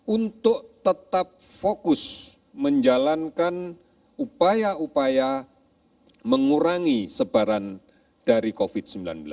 untuk tetap fokus menjalankan upaya upaya mengurangi sebaran dari covid sembilan belas